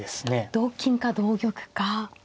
同金か同玉か。